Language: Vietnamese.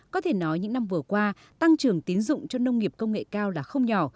có thể nói những năm vừa qua tăng trưởng tín dụng cho nông nghiệp công nghệ cao là không nhỏ